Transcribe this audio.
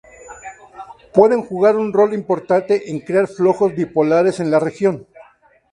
Pueden jugar un rol importante en crear flojos bipolares en la región.